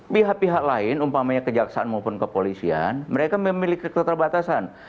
pihak pihak lain umpamanya kejaksaan maupun kepolisian mereka memiliki keterbatasan